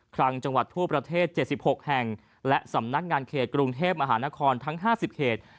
คลังจังหวัดทั่วประเทศ๗๖แห่งและสำนักงานเขตกรุงเทพมหานครทั้ง๕๐เขต